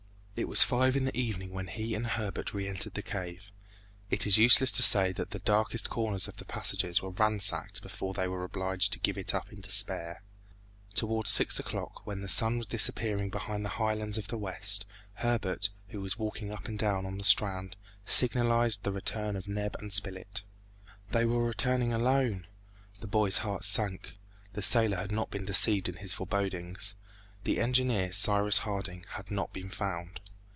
It was five in the evening when he and Herbert re entered the cave. It is useless to say that the darkest corners of the passages were ransacked before they were obliged to give it up in despair. Towards six o'clock, when the sun was disappearing behind the high lands of the west, Herbert, who was walking up and down on the strand, signalized the return of Neb and Spilett. They were returning alone!... The boy's heart sank; the sailor had not been deceived in his forebodings; the engineer, Cyrus Harding, had not been found!